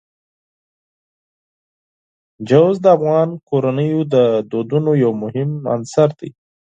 چار مغز د افغان کورنیو د دودونو یو مهم عنصر دی.